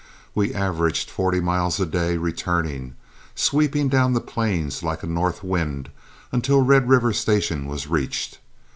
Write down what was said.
We averaged forty miles a day returning, sweeping down the plains like a north wind until Red River Station was reached.